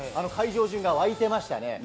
会場中が沸いていました。